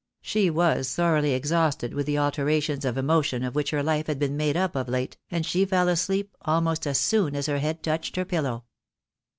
She was thoroughly exhausted with the alterna tions of emotion of which her life had been made up of late, and she fell asleep almost as soon as her head touched her pillow.